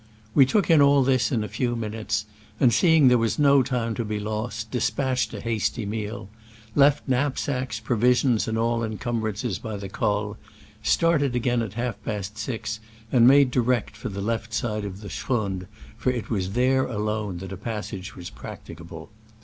We took in all this in a few minutes, and seeing there was no time to be lost, despatched a hasty meal, left knapsacks, provisions and all encumbrances by the col, started again at half past six, and made direct for the left side of the schrund, for it was there alone that a passage was practicable.